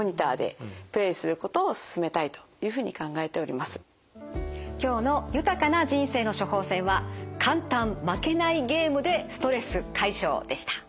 ゲームの注意点はほかにもあって今日の「豊かな人生の処方せん」は「簡単・負けないゲームでストレス解消！」でした。